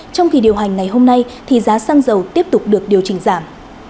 trong kỳ điều hành ngày hôm nay thì giá xăng dầu tiếp tục được điều chỉnh giảm